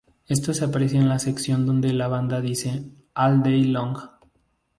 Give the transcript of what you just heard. Esto se aprecia en la sección donde la banda dice "all day long".